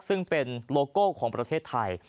ซึ่งเป็นโลโก้ของประเทศไทย